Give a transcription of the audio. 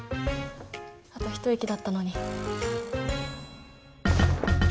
あと一息だったのに。